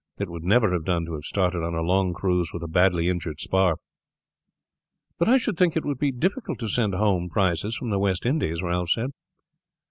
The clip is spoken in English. It would never have done to have started on a long cruise with a badly injured spar." "But I should think it would be difficult to send home prizes from the West Indies," Ralph said.